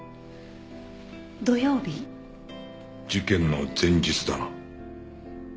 土曜日？事件の前日だな。